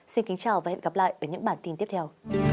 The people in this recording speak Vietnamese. xin kính chào và hẹn gặp lại ở những bản tin tiếp theo